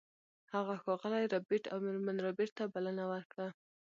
هغه ښاغلي ربیټ او میرمن ربیټ ته بلنه ورکړه